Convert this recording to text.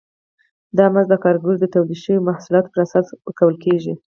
دا مزد د کارګر د تولید شویو محصولاتو پر اساس ورکول کېږي